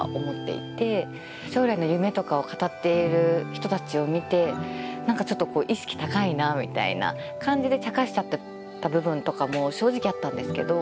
将来の夢とかを語っている人たちを見て何かちょっと意識高いなみたいな感じでチャカしちゃってた部分とかも正直あったんですけど。